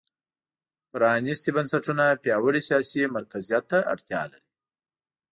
پرانېستي بنسټونه پیاوړي سیاسي مرکزیت ته اړتیا لري.